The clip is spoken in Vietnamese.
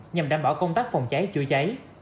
nhằm đảm bảo công tác phòng cháy chữa cháy